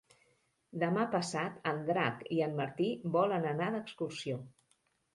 Demà passat en Drac i en Martí volen anar d'excursió.